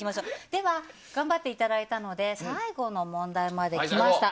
では、頑張っていただいたので最後の問題まできました。